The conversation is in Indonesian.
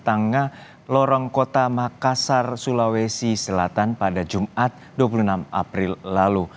tangga lorong kota makassar sulawesi selatan pada jumat dua puluh enam april lalu